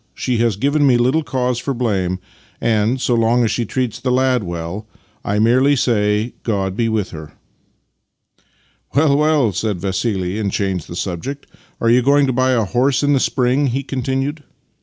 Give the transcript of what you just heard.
She has given me little cause for blame, and, so long as she treats the lad well, I merely say, ' God be with her! '"" Well, well," said Vassili, and changed the subject. " Are you going to buy a horse in the spring? " he continued.